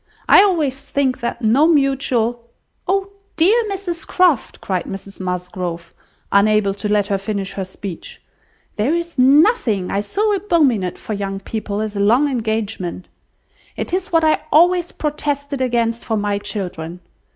I always think that no mutual—" "Oh! dear Mrs Croft," cried Mrs Musgrove, unable to let her finish her speech, "there is nothing I so abominate for young people as a long engagement. It is what I always protested against for my children.